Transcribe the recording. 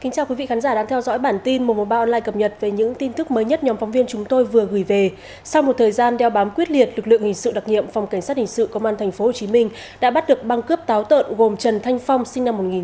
cảm ơn các bạn đã theo dõi